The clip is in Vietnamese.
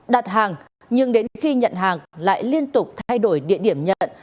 đặt hàng nhưng đến khi nhận hàng lại liên tục thay đổi địa điểm nhận